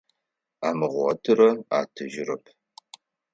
Амыгъотырэ атыжьырэп.